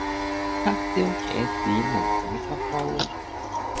黑椒茄子牛仔骨煲